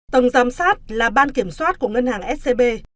tổng giám sát là ban kiểm soát của ngân hàng scb